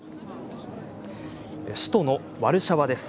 首都のワルシャワです。